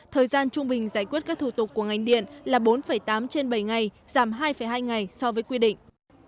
thời gian trung bình giải quyết các thủ tục của ngành điện là bốn tám trên bảy ngày giảm hai hai ngày so với quy định